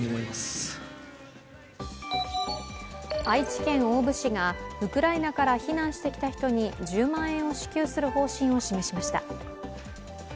愛知県大府市がウクライナから避難してきた人に１０万円を支給する方針を示しました。